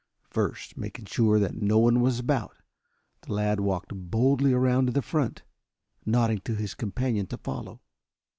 First making sure that no one was about, the lad walked boldly around to the front, nodding to his companion to follow.